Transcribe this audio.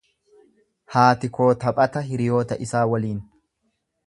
Haati koo taphata hiriyoota isaa waliin.